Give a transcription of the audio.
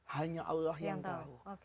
hanya allah yang tahu